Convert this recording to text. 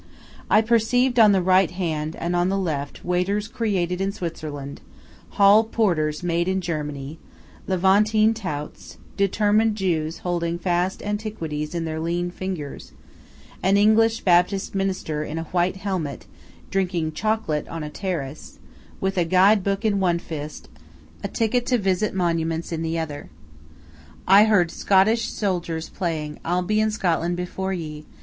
I perceived on the right hand and on the left waiters created in Switzerland, hall porters made in Germany, Levantine touts, determined Jews holding false antiquities in their lean fingers, an English Baptist minister, in a white helmet, drinking chocolate on a terrace, with a guide book in one fist, a ticket to visit monuments in the other. I heard Scottish soldiers playing, "I'll be in Scotland before ye!"